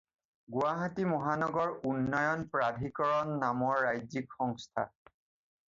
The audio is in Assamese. গুৱাহাটী মহানগৰ উন্নয়ন প্ৰাধিকৰণ নামৰ ৰাজ্যিক সংস্থা।